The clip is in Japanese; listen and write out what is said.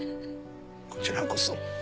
こちらこそ。